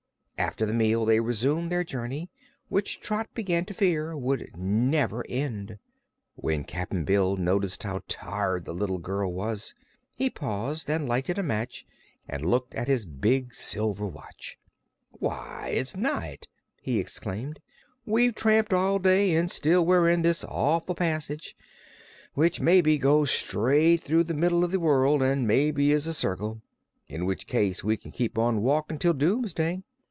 After the meal they resumed their journey, which Trot began to fear would never end. When Cap'n Bill noticed how tired the little girl was, he paused and lighted a match and looked at his big silver watch. "Why, it's night!" he exclaimed. "We've tramped all day, an' still we're in this awful passage, which mebbe goes straight through the middle of the world, an' mebbe is a circle in which case we can keep walkin' till doomsday.